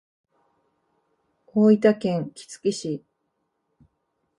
大分県杵築市